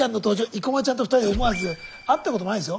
生駒ちゃんと２人で思わず会ったこともないんですよ？